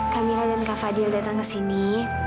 kamila dan kak fadil datang ke sini